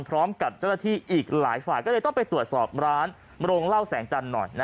พร้อมกับเจ้าหน้าที่อีกหลายฝ่ายก็เลยต้องไปตรวจสอบร้านโรงเล่าแสงจันทร์หน่อย